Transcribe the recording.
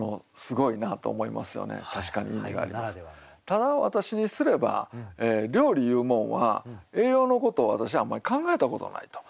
ただ私にすれば料理いうもんは栄養のことを私はあんまり考えたことないと。